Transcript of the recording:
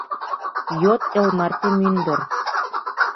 Йот эл марте мӱндыр.